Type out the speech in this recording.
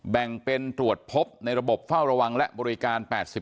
แบ่งเป็นตรวจพบในระบบเฝ้าระวังและบริการ๘๐